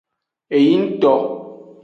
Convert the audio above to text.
Eyingto.